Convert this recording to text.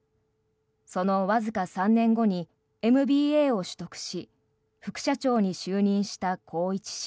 そのわずか３年後にＭＢＡを取得し副社長に就任した宏一氏。